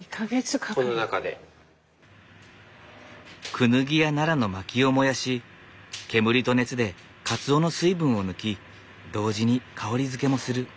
クヌギやナラの薪を燃やし煙と熱でかつおの水分を抜き同時に香りづけもする。